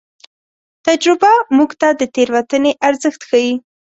تجربه موږ ته د تېروتنې ارزښت ښيي.